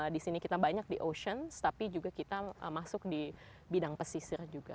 di sini kita banyak di ocean tapi juga kita masuk di bidang pesisir juga